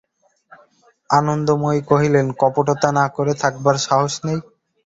আনন্দময়ী কহিলেন, কপটতা না করে থাকবার সাহস নেই?